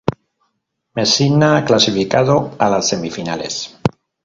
Messina clasificado a las semifinales.